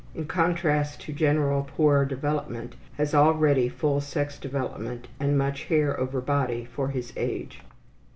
In contrast to general poor development, has already full sex development and much hair over body for his age.